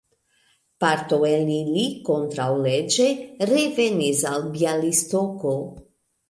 Parto el ili kontraŭleĝe revenis al Bjalistoko.